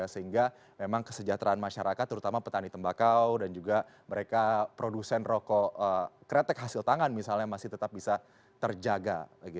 sehingga memang kesejahteraan masyarakat terutama petani tembakau dan juga mereka produsen rokok kretek hasil tangan misalnya masih tetap bisa terjaga